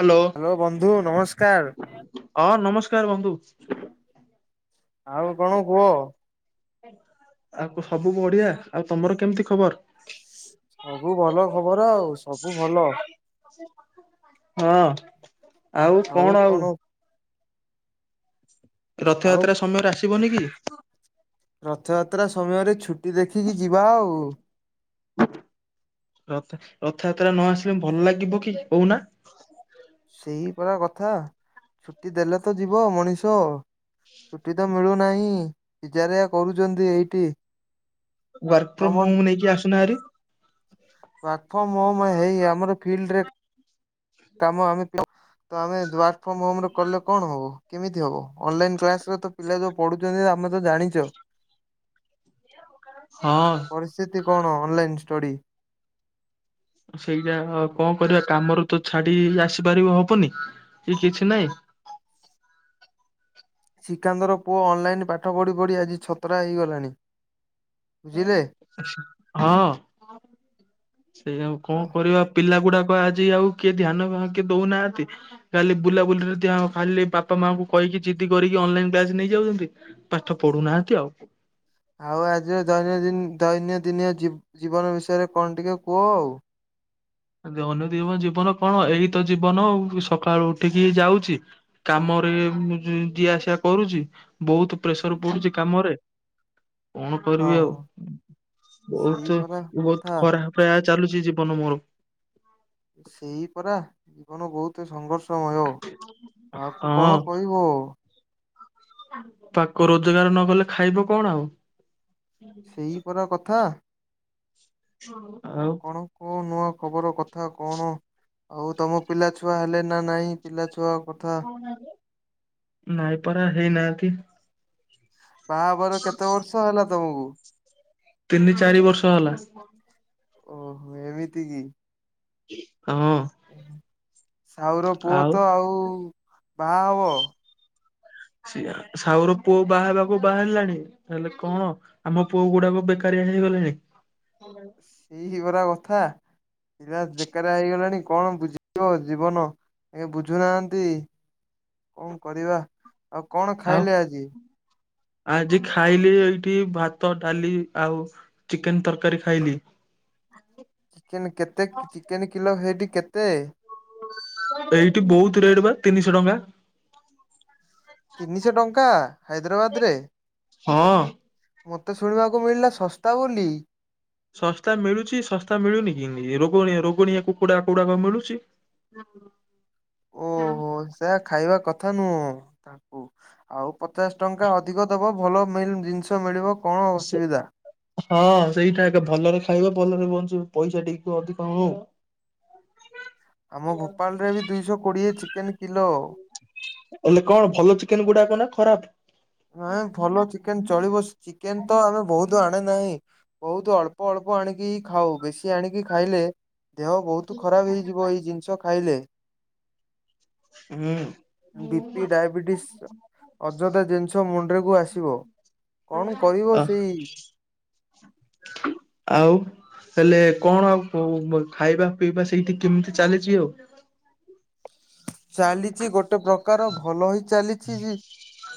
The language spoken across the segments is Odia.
ହ୍ୟାଲୋ ହାଲୋ ବନ୍ଧୁ ନମସ୍କାର। ହଁ ନମସ୍କାର ବନ୍ଧୁ। ଆଉ କଣ କୁହ। ଆଉ କ ସବୁ ବଢିଆ ଆଉ ତମର କେମିତି ଖବର? ସବୁ ଭଲ ଖବର ଆଉ ସବୁ ଭଲ। ହଁ ଆଉ କଣ ଆଉ? ଆଉ ରଥଯାତ୍ରା ସମୟରେ ଆସିବନି କି? ରଥଯାତ୍ରା ସମୟରେ ଛୁଟିକି ଦେଖିକି ଯିବା ଆଉ। ରଥ ରଥଯାତ୍ରା ନ ଆସିଲେ ଭଲ ଲାଗିବ କି କୋହୁନା? ସେହି ପରା କଥା ଛୁଟି ଦେଲେ ତ ଯିବ ମଣିଷ। ଛୁଟି ତ ମିଳୁନାହିଁ ବିଜାରିଆ କରୁଚନ୍ତି ଏଇଠି। ୱାର୍କ ଫ୍ରମ ତମର ହୋମ ନେଇକି ଆସୁନା ହାରି। ୱାର୍କ ଫ୍ରମ ହୋମ ହେଇ ଆମର ଫିଲ୍ଡରେ କାମ ଆମେ [inaudible] ତ ଆମେ ୱାର୍କ ଫ୍ରମ ହୋମରେ କଲେ କଣ ହବ? କେମିତି ହବ ଅନଲାଇନ୍ କ୍ଲାସରେ ତ ପିଲା ଯୋଉ ପଢ଼ୁଚନ୍ତି ଆମେ ତ ଜାଣିଚ ହଁ। ପରିସ୍ଥିତି କଣ ଅନଲାଇନ୍ ଷ୍ଟଡ଼ି? ସେଇଆ ହ କଣ କରିବା କାମରୁ ତ ଛାଡି ଆସିପାରିବ ହବନି କି କିଛି ନାଇଁ ଶ୍ରୀକାନ୍ତର ପୁଅ ଅନଲାଇନ୍ ପାଠ ପଢ଼ିପଢ଼ି ଆଜି ଛତ୍ରା ହେଇଗଲାଣି। ବୁଝିଲେ। ସେ ଶୀ ହଁ ସେଇଆ ଆଉ କଣ କରିବା? ପିଲା ଗୁଡାକ ଆଜି ଆଉ କିଏ ଧ୍ୟାନ ଭା କିଏ ଦୋଉନାହାନ୍ତି। କାଲି ବୁଲାବୁଲିରେ ଦିଆଅ ଖାଲି ବାପାମାଙ୍କୁ କହିକି ଜିଦି କରିକି ଅନଲାଇନ କ୍ଲାସ ନେଇଯାଉଚନ୍ତି ପାଠ ପଢୁନାହାନ୍ତି ଆଉ। ଆଉ ଆଜିର ଜୈନଦିନ ଦୈନ୍ୟଦିନୀୟ ଜୀ-ଜୀବନ ବିଷୟରେ କଣ ଟିକେ କୁହ ଆଉ। ଦୈନଦିନ ଜୀବନ କଣ ଏଇତ ଜୀବନ ଆଉ ଏ ସକାଳୁ ଉଠିକିି ଏଇ ଯାଉଚି କାମରେ ଯି ଯିବା ଆସିବା କରୁଚି ବୋହୁତ ପ୍ରେସର ପଡୁଚି କାମରେ କଣ ହଁ କରିବି ଆଉ ହଁ ସେଇ ବୋହୁତୁ ପରା କଥା ବୋହୁତ ଖରାପ ପ୍ରାୟ ଚାଲୁଚି ଜୀବନ ମୋର। ସେଇ ପରା ଜୀବନ ବୋହୁତ ସଂଘର୍ଷମୟ କାହାକୁ କଣ କହିବ। ତାକୁ ରୋଜଗାର ନକଲେ ଖାଇବ କଣ ଆଉ? ସେଇପରା କଥା। ଆଉ କଁ ନୂଆ ଖବର କଥା କଣ? ଆଉ ତମ ପିଲାଛୁଆ ହେଲେଣି ନା ନାହିଁ ପିଲାଛୁଆ କଥା ନାଇଁ ପରା ହେଇନାହାନ୍ତି। ବାହାହବାର କେତେ ବର୍ଷ ହେଲା ତମକୁ? ତିନି ଚାରି ବର୍ଷ ହେଲା। ଓହୋ ଏମିତି କି? ହଁ। ସାହୁର ପୁଅ ତ ଆଉ ବାହାହବ। ସେୟା ସାହୁର ପୁଅ ବାହାହେବାକୁ ବାହାହେଲାଣି ହେଲେ କଣ? ଆମ ପୁଅଗୁଡାକ ବେକାରିଆ ହେଇଗଲେଣି। ସେଇ ପରା କଥା ପିଲା ବେକାରିଆ ହେଇଗଲେଣି କଣ ବୁଝିବ ଜୀବନ। ଇଏ ବୁଝୁନାହାନ୍ତି କଣ କରିବା ଆଉ କଣ ଆଉ ଖାଇଲେ ଆଜି? ଆଜି ଖାଇଲି ଏଇଠି ଭାତ ଡାଲି ଆଉ ଚିକେନ ତରକାରୀ ଖାଇଲି। ଚିକେନ୍ କେତେ ଚିକେନ୍ କିଲୋ ହେଠି କେତେ? ଏଇଠି ବହୁତ ରେଟ ବା ତିନିଶହ ଟଙ୍କା। ତିନିଶହ ଟଙ୍କା ହାଇଦ୍ରାବାଦରେ। ହଁ। ମୋତେ ଶୁଣିବାକୁ ମିଳିଲା ଶସ୍ତା ବୋଲି। ଶସ୍ତା ମିଳୁଛି ଶସ୍ତା ମିଳୁନି କି ନି ରୋଗଣିଆ ରୋଗଣିଆ କୁକୁଡା କୁକୁଡାକ ମିଳୁଛି। [inaudible] ହଁ। ଓହୋ ସେୟା ଖାଇବା କଥା ନୁହଁ ତା ହ ଆଉ ପଚାଶ ଟଙ୍କା ଅଧିକ ଦେବ ଭଲ ମିଲ୍ ଜିନିଷ ମିଳିବ କଣ ସେ ଅସୁବିଧା? ହଁ ସେଇଟା ଏକ ଭଲରେ ଖାଇବା ଭଲରେ ବଞ୍ଚ ପଇସା ଟିକ ଅଧିକ ହଉ ଆମ ଭୋପାଳରେ ବି ଦୁଇଶହ କୋଡ଼ିଏ ଚିକେନ କିଲୋ। ହେଲେ କଣ ଭଲ ଚିକେନ ଗୁଡାକ ନା ଖରାପ ନାଇ ଭଲ ଚିକେନ ଚଳିବ ଚିକେନ ତ ଆମେ ବହୁତ ଆଣେ ନାହିଁ ବହୁତ ଅଳ୍ପ ଅଳ୍ପ ଆଣିକି ଖାଉ ବେଶୀ ଆଣିକି ଖାଇଲେ ଦେହ ବହୁତ ଖରାପ ହେଇଯିବ ଏଇ ଜିନିଷ ଖାଇଲେ ହୁଁ। ବିପି ଡାଇବେଟିସ୍ ଅଯଥା ଜିନିଷ ମୁଣ୍ଡରେକୁୁ ଆସିବ କଣ କରିବ ସେଇ ଆଉ ହେଲେ କଣ ଆଉ ଖାଇବା ପିଇବା ସେଇଠି କେମିତି ଚାଲିଛି ଆଉ? ଚାଲିଛି ଗୋଟେ ପ୍ରକାର ଭଲ ହି ଚାଲିଛି ଯେ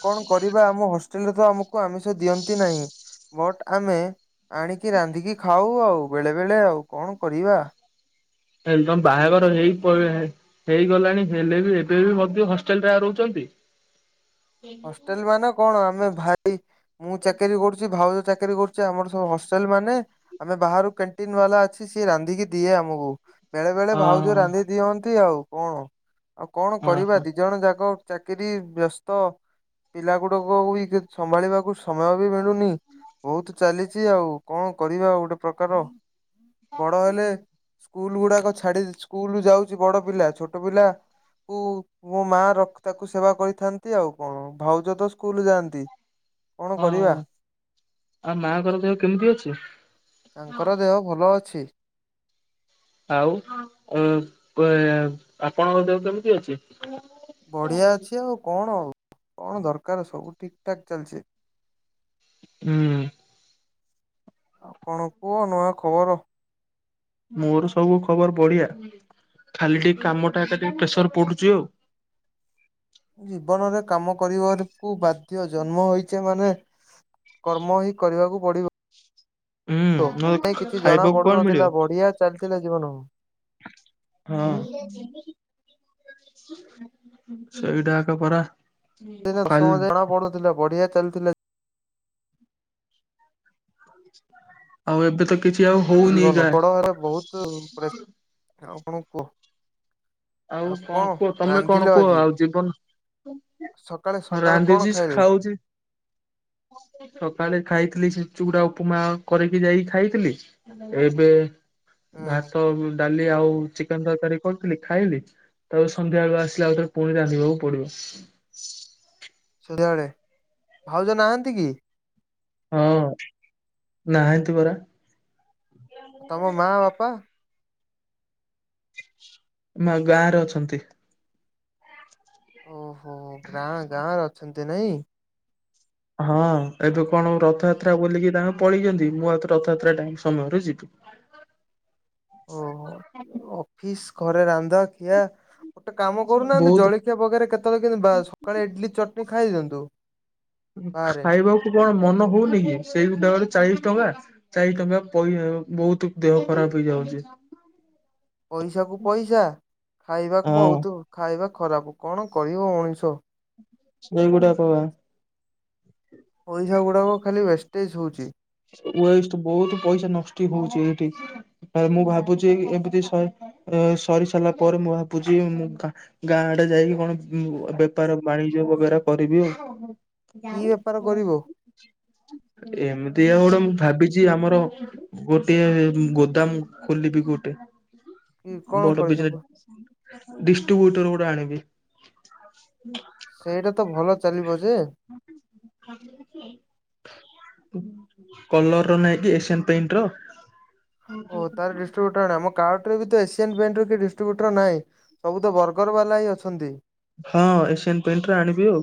କଣ କରିବା ଆମ ହ ସିନ୍ତରେ ତ ଆମକୁ ଆମିଷ ଦିଅନ୍ତି ନାହିଁ ଆମେ ଆଣିକି ରାନ୍ଧିକି ଖାଉ ଆଉ ବେଳେ ବେଳେ ଆଉ କଣ କରିବା ଏଦମ ବାହାଘର ହେଇକି ପଡିବ ଭାଇ ହେଇଗଲାଣି ହେଲେ ବି ଏବେ ବି ମଧ୍ୟ ହଷ୍ଟେଲରେ ଆ ରହୁଛନ୍ତି ହଷ୍ଟେଲ ମାନ କଣ ଆମେ ଭାଇ ମୁଁ ଚାକିରୀ କରୁଛି ଭାଉଜ ଚାକିରିୀ କରୁଛି ଆମର ସବୁ ହଷ୍ଟେଲ ମାନେ ଆମେ ବାହାରୁ କ୍ୟାଣ୍ଟିନ ବାଲା ଅଛି ସିଏ ରାନ୍ଧିକି ଦିଏ ଆମକୁ ବେଳେ ବେଳେ ଭାଉଜ ହଁ ରାନ୍ଧି ଦିଅନ୍ତି ଆଉ କଣ ଆଉ କଣ କରିବା ଓହୋ ଦି ଜଣ ଯାକ ଚାକିରି ବ୍ୟସ୍ତ ପିଲା ଗୁଡାକ ବି ସମ୍ଭାଳିବାକୁ ସମୟ ବି ମିଳୁନି ବହୁତ ଚାଲିଛି ଆଉ କଣ କରିବା ଗୋଟେ ପ୍ରକାର ବଡ ହେଲେ ସ୍କୁଲ ଗୁଡାକ ଛାଡି ସ୍କୁଲ ଯାଉଛି ବଡ ପିଲା ଛୋଟ ପିଲା କ ମୋ ମା ର ତାକୁ ସେବା କରିଥାନ୍ତି ଆଉ କଣ ଭାଉଜ ତ ସ୍କୁଲ ଯାଆନ୍ତି କଣ ହଁ କରିବା ହଁ ଆଉ ମାଙ୍କର ଦେହ କେମିତି ଅଛି? ତାଙ୍କର ଦେହ ଭଲ ଅଛି ଆଉ ଏ ଆପଣଙ୍କ ଦେହ କେମିତି ଅଛି? ବଢିଆ ଅଛି ଆଉ କଣ ଆଉ କଣ ଦରକାର ସବୁ ଠିକ ଠାକ୍ ଚାଲିଛି ହୁଁ ଆଉ କଣ କୁହ ନୂଆ ଖବର ମୋର ସବୁ ଖବର ବଢିଆ ଖାଲି ଟିକେ କାମଟା ଏକା ଟିକେ ପ୍ରେସର ପଡୁଛି ଆଉ ଜୀବନରେ କାମ କରିବାକୁ ବାଧ୍ୟ ଜନ୍ମ ହେଇଛେ ମାନେ କର୍ମ ହିଁ କରିବାକୁ ପଡିବ ହୁଁ ନହେଲେ ହି କିଛି ଜଣା ଖାଇବାକୁ କଣ ମିଳିବ ପଡୁନଥିଲା ବଢିଆ ଚାଲିଥିଲା ଜୀବନକୁ ହଁ ସେଇଟା ଏକା ପରା ସେ ଦଶ କାଲି ଜଣା ପଡୁଥିଲା ବଢିଆ ଚାଲିଥିଲା ଆଉ ଏବେ ତ କିଛି ଆଉ ହଉନି ଗାଁ [unintelligible] ବହୁତ ଉପରେ ଆଉ କଣ କୁହ ଆଉ କଣ କୁହ ତମେ କଣ ରାନ୍ଧିଲ କୁହ ଆଜି? ଆଉ ଜୀବନ ସକାଳେ ସକାଳେ କଣ ରାନ୍ଧୁଛି ଖାଇଲେ? ଖାଉଛି ସକାଳେ ଖାଇଥିଲି ସେ ଚୁଗୁଡା ଉପମା କରିକି ଯାଇକି ଖାଇଥିଲି ଏବେ ହୁଁ ଘାାତ ଡାଲି ଆଉ ଚିକେନ ତରକାରୀ କରୁଥିଲି। ଖାଇଲି ତାପରେ ସନ୍ଧ୍ୟା ବେଳୁ ଆସିଲା ଆଉଥରେ ପୁଣି ରାନ୍ଧିବାକୁ ପଡ଼ୁଛି। ସଂଧ୍ୟାବେଳେ ଭାଉଜ ନାହାନ୍ତି କି? ହଁ ନାହାନ୍ତି ପରା। ଉ ତମ ମା ବାପା ମା ଗାଁ ରେ ଅଛନ୍ତି। ଓ ଗାଁ ଗାଁରେ ଅଛନ୍ତି ନାଇଁ ହଁ ଏବେ କଣ ରଥଯାତ ରଥା ବୋଲିକି ତାଙ୍କେ ପଳେଇଛନ୍ତି ମୁଁ ଆଉ ରଥଯାତ୍ରା ଟାଇ ସମୟରେ ଯିବୁ। [unintelligible] ଫିସ୍ ଘରେ ରାନ୍ଧା ଖିଆ ଗୋଟେ କାମ କରୁନାହାନ୍ତି ବହୁତ ଜଳି ପାଗରେ କେତେବେଳେ କେମତି ସକାଳେ ଇଡଲି ଚଟଣି ଖାଇଦିଅନ୍ତୁ। ବାହାରେ ଖାଇବାକୁ କଣ ମନ ହଉନି କି ସେଇ [unintelligible] ଚାଳିଶ ଟଙ୍କା। ଚାରି ଟଙ୍କା ପଇ ବହୁତ ଦେହ ଖରାପ ହେଇଯାଉଚି। ପଇସା କୁ ପଇସା ଖାଇବାକୁ ହଁ ବହୁତ ଖାଇବା ଖରାପ କଣ କହିବ ମଣିଷ। ସେଇଗୁଡାକ ପା। ପଇସା ଗୁଡାକ ଖାଲି ୱେଷ୍ଟେଜ ହଉଚି। ୱେଷ୍ଟ ବହୁତ ପଇସା ନଷ୍ଟି ହଉଛି ଏଇଠି ମୁଁ ଭାବୁଛି ଏମିତି ଶହେ ଏ ସରି ସାରିଲା ପରେ ମୁଁ ଭାବୁଛି ମୁଗ୍ଧା ଗାଁ ଆଡେ ଯାଇକି ପୁଣି ବେପାର ବାଣିଜ୍ୟ ବଗେରା କରିଦିଅ। କି ବେପାର କରିବ? ଏମିତି ଆ ଗୋଟେ ମୁଁ ଭାବିଛି ଆମର ଗୋଟିଏ ଗୋଦାମ ଖୋଲିବି ଗୋଟେ, କି କଣ ବଡ ବିଜ କରିବୁ ଡିଷ୍ଟ୍ରିିବ୍ୟୁଟର ଗୋଟେ ଆଣିବି। ସେଇଟା ତ ଭଲ ଚାଲିବ ଯେ ଖାଲି ଅଛି। କଲର ର ନାହିଁ କି? ଏସିଆନ୍ ପେଣ୍ଟ ର ଓ ତାର ମୋ କାର୍ଟରେ ବି ଏସିଆନ୍ ପେଣ୍ଟର କିଏ ଡିଷ୍ଟ୍ରିବ୍ୟୁଟର ନାହିଁ ସବୁ ତ ବର୍ଗର ବାଲା ହିଁ ଅଛନ୍ତି। ହଁ ଏସିଆନ୍ ପେଣ୍ଟ ର ଆଣିବି ଆଉ।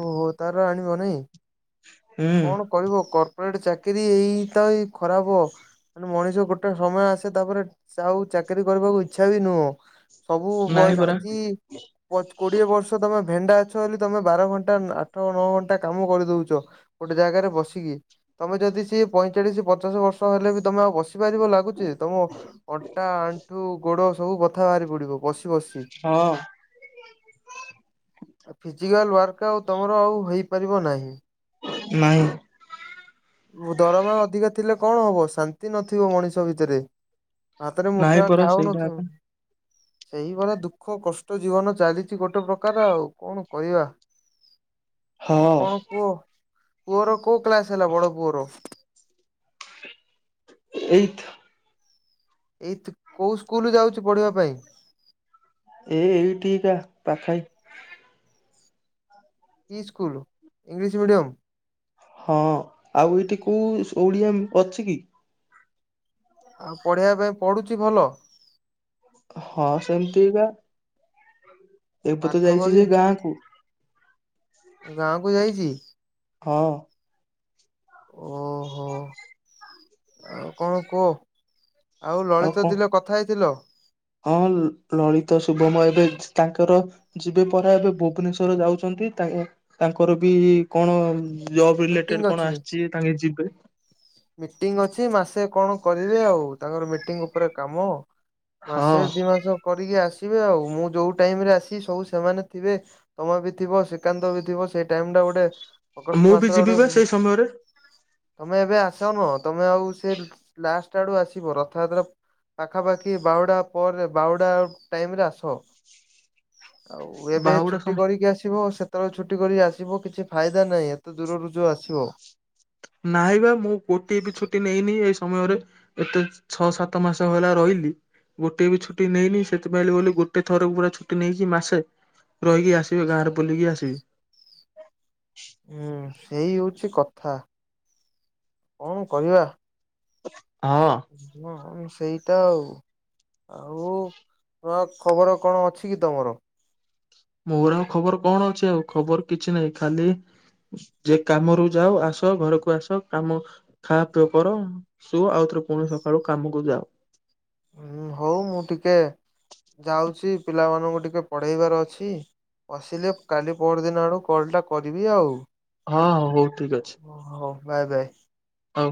ଓହୋ ତାର ଆଣିବ ନାଇଁ ଆଉ ହୁଁ କଣ? କରିବ କର୍ପୋରେଟ ଚାକିରି ଏଇ ତ ଏଇ ଖରାପ ମାନେ ମଣିଷକୁ ଗୋଟେ ସମୟ ଆସେ ତାପରେ ଆଉ ଚାକିରୀ କରିବାକୁ ଇଚ୍ଛା ବି ନୁହଁ। ସବୁ ନାହିଁ ବୟସ ପରା ଆଜି ପଚ୍ କୋଡିଏ ବର୍ଷ ତମେ ଭେଣ୍ଡା ଅଛ ବୋଲି ତମେ ବାର ଘଣ୍ଟା ଆଠ ନଅ ଘଣ୍ଟା କାମ କରି ଦଉଚ ଗୋଟେ ଜାଗାରେ ବସିକି। ତମେ ଯଦି ସିଏ ପଇଁଚାଳିଶ ପଚାଶ ବର୍ଷ ହେଲେ ବି ତମେ ଆଉ ବସି ପାରିବ ଲାଗୁଚି, ତମ ଅଣ୍ଟା, ଆଣ୍ଠୁ, ଗୋଡ ସବୁ ବଥା ବାହାରି ପଡିବ। ବସି ବସି ହଁ ଆ ଫି ଫିଜିକାଲ୍ ୱାର୍କ ଆଉ ତୁମର ଆଉ ହୋଇପାରିବ ନାହିଁ। ନାଇଁ। ଦରମା ଅଧିକ ଥିଲେ କଣ ହବ? ଶାନ୍ତି ନଥିବ ମଣିଷ ଭିତରେ। ହାତରେ ନାହିଁ ମୁଠାଏ ପରା ସେଇଟା ଖାାଉନଥିବ ଏକା ସେଇଭଳିଆ ଦୁଃଖ କଷ୍ଟ ଜୀବନ ଚାଲିଚି ଗୋଟେ ପ୍ରକାର ଆଉ କଣ? କରିବା, ଆଉ ହଁ କଣ କୁହ? ପୁଅର କୋଉ କ୍ଲାସ ହେଲା? ବଡ ପୁଅର? ଏଇଠି। ଏଇଥି କୋଉ ସ୍କୁଲ ଯାଉଛି ପଢିବା ପାଇଁ? ଏ ଏଇଠିକା ପାଖାଇ କି ସ୍କୁଲ ଇଂଲିଶ ମିଡ଼ିୟମ୍? ହଁ ଆଉ ଏଠି କୋଉ ଓଡିଆ ଅଛି କି? ଆଉ ପଢେଇବା ପାଇଁ ପଢୁଛି ଭଲ? ହଁ ସେମତିକା। ପାଠ କରି ସେ ଗାଁକୁ ଗାଁ କୁ ଯାଇଚି। ହଁ। ଓ। [unintelligible] ଆଉ କଣ କୁହ ଆଉ ଲଳିତ ଥିଲ କଥା ହେଇଥିଲ? ହଁ ଲଳିତ, ଶୁଭମ ଏବେ ତାଙ୍କର ଯିବେ ପରା ଏବେ ଭୁବନେଶ୍ଵର ଯାଉଛନ୍ତି ତା ତାଙ୍କର ବି କଣ ଜବ ମିଟିଂ ରିଲେଟେଡ କଣ ଅଛି। ଆସିଛି ତାଙ୍କେ ଯିବେ। ମିଟିଂ ଅଛି ମାସେ କଣ କରିବେ ଆଉ ତାଙ୍କର ମିଟିଂ ଉପରେ କାମ? ହଁ ମାସେ ଦି ମାସ କରିକି ଆସିବେ ଆଉ ମୁଁ ଯୋଉ ଟାଇମରେ ଆସିବି ସବୁ ସେମାନେ ଥିବେ ତମେ ବି ଥିବ ଶ୍ରୀକାନ୍ତ ବି ଥିବ ସେଇ ଟାଇମଟା ଗୋଟେ ଅଗଷ୍ଟ ମୁଁ ବି ମାସର ଯିବି ବା ଗୋଟେ ସେଇ ସମୟରେ। ତମେ ଏବେ ଆସନୁହ ତମେ ଆଉ ସେ ଲାଷ୍ଟ ଆଡୁ ଆସିବ ରଥଯାତ୍ରା ପାଖାପାଖି ବାହୁଡ଼ା ପରେ ବାହୁଡ଼ା ଟାଇମରେ ଆସ। ଆଉ ଏବେ ବାହୁଡା ଛୁଟି ସମ କରିକି ଆସିବ ଆସିବ ସେ ସେତେବେଳେ ଛୁଟି କରି ଆସିବ କିଛି ଫାଇଦା ନାହିଁ ଏତେ ଦୂରରୁ ଯୋଉ ଆସିବ ନାହିଁ ବା ମୁଁ ଗୋଟିଏ ବି ଛୁଟି ନେଇନି ଏ ସମୟରେ ଏତେ ଛଅ ସାତ ମାସ ହେଲା ରହିଲି ଗୋଟେ ବି ଛୁଟି ନେଇନି ସେଥିପାଇଁ ବୋଲି ଗୋଟେ ଥରକୁ ପୁରା ଛୁଟି ନେଇକି ମାସେ ରହିକି ଆସିବି ଗାଁରେ ବୁଲିକି ଆସିବି। ହୁଁ ସେଇ ହଉଛି କଥା କଣ କରିବା? ଆଁ। ହଁ ସେଇଟା ଆଉ ଆଉ ନୁଆ ଖବର କଣ ଅଛି କି ତମର? ମୋର ଆଉ ଖବର କଣ ଅଛି ଆଉ ଖବର କିଛି ନାହିଁ ଖାଲି ଯେ କାମରୁ ଯାଅ ଆସ ଘରକୁ ଆସ କାମ ଖା ପିଅ କର ସୁୁଅ ଆଉଥରେ ପୁଣି ସକାଳୁ କାମକୁ ଯାଅ। ହୁଁ ହଉ ମୁଁ ଟିକେ ଯାଉଛି ପିଲାମାନଙ୍କୁ ଟିକେ ପଢେଇବାର ଅଛି। ବସିଲେ କାଲି ପଅର ଦିନ ଆଡ଼କୁ କଲଟା କରିବି ଆଉ ହଁ ହଁ ହଉ ଠିକ ଅଛି ହଉ ବାଏ ବାଏ। ହଁ।